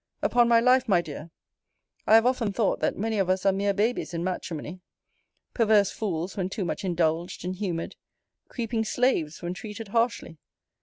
Upon my life, my dear, I have often thought, that many of us are mere babies in matrimony: perverse fools when too much indulged and humoured; creeping slaves, when treated harshly.